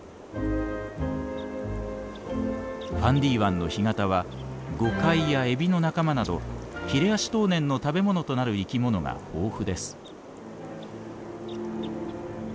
ファンディ湾の干潟はゴカイやエビの仲間などヒレアシトウネンの食べ物となる生き物が豊富です。